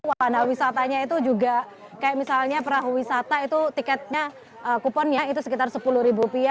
wah nah wisatanya itu juga kayak misalnya perahu wisata itu tiketnya kuponnya itu sekitar rp sepuluh